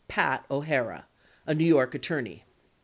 "Pat" O'Hara, a New York attorney.